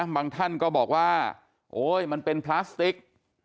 ท่านก็บอกว่าโอ๊ยมันเป็นพลาสติก